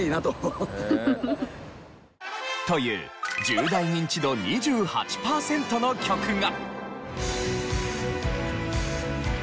続いては。という１０代ニンチド２８パーセントの曲が。